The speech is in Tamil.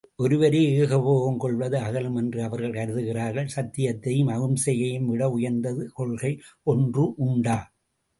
ஒருவரே ஏகபோகம் கொள்வது அகலும் என்று அவர்கள் கருதுகிறார்கள் சத்தியத்தையும்அகிம்சையையும்விட உயர்ந்த கொள்கை ஒன்று உண்டா?